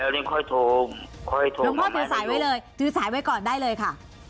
ลองพ่อถือสายไว้เลยถือสายไว้ก่อนได้เลยค่ะ